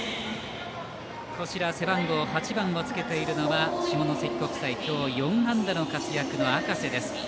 背番号８番をつけているのは下関国際今日４安打の活躍の赤瀬です。